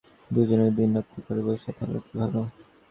দুজনে দিনরাত্রি ঘরে বসিয়া থাকা কি ভালো?